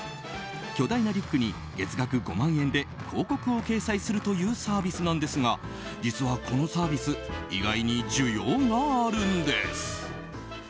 巨大なリュックに月額５万円で広告を掲載するというサービスなんですが実は、このサービス意外に需要があるんです。